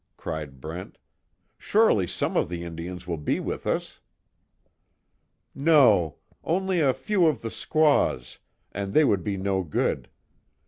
cried Brent, "Surely some of the Indians will be with us." "No only a few of the squaws and they would be no good.